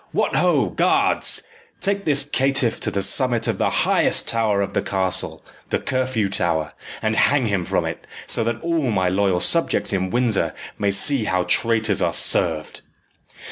What ho! guards, take this caitiff to the summit of the highest tower of the castle the Curfew Tower and hang him from it, so that all my loyal subjects in Windsor may see how traitors are served."